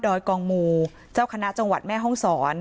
กองมูเจ้าคณะจังหวัดแม่ห้องศร